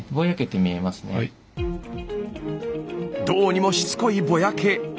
どうにもしつこいぼやけ。